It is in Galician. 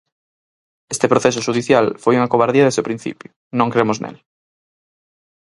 Este proceso xudicial foi unha covardía desde o principio, non creemos nel.